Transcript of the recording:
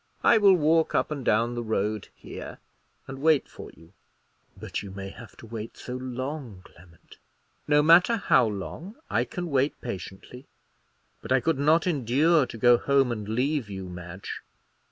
I will walk up and down the road here, and wait for you." "But you may have to wait so long, Clement." "No matter how long. I can wait patiently, but I could not endure to go home and leave you, Madge."